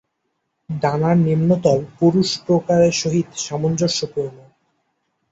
ডানার নিম্নতল পুরুষ প্রকারের সহিত সামঞ্জস্যপূর্ণ।